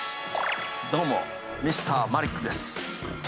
どうもＭｒ．マリックです。